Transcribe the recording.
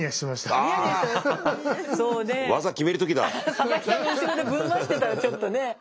佐々木さんの後ろでぶん回してたらちょっとね。